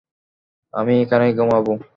আমি এখানে ঘুমাবো।